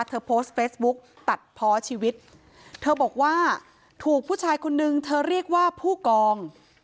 โพสต์เฟซบุ๊กตัดเพาะชีวิตเธอบอกว่าถูกผู้ชายคนนึงเธอเรียกว่าผู้กอง